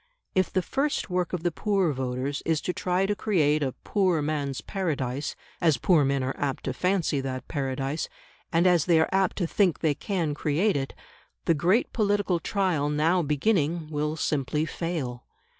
If the first work of the poor voters is to try to create a "poor man's paradise," as poor men are apt to fancy that Paradise, and as they are apt to think they can create it, the great political trial now beginning will simply fail.